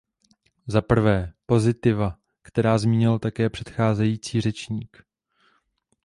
Za prvé, pozitiva, která zmínil také předcházející řečník.